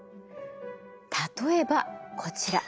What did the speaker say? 例えばこちら。